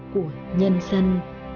của nhân dân